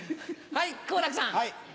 はい、好楽さん。